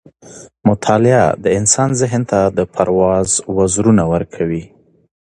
مطالعه د انسان ذهن ته د پرواز وزرونه ورکوي.